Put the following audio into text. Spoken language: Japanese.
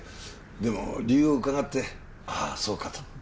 でも理由を伺ってああそうかと。